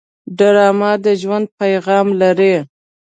ډرامه د ژوند پیغام لري